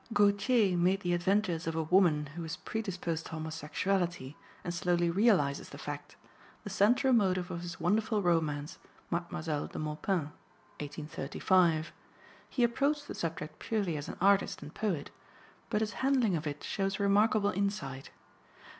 Gautier made the adventures of a woman who was predisposed to homosexuality, and slowly realizes the fact, the central motive of his wonderful romance, Mademoiselle de Maupin (1835). He approached the subject purely as an artist and poet, but his handling of it shows remarkable insight.